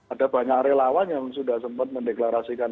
ada banyak relawan yang sudah sempat mendeklarasikan